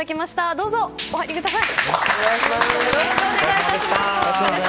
どうぞお入りください。